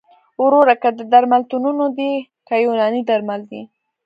وروره که درملتونونه دي که یوناني درمل دي